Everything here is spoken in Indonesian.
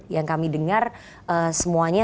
yang kami dengar semuanya